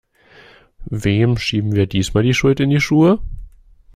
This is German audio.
Wem schieben wir diesmal die Schuld in die Schuhe?